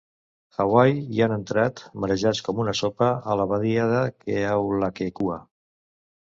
Hawaii i han entrat, marejats com una sopa, a la badia de Kealakekua.